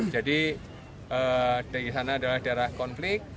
jadi dari sana adalah daerah konflik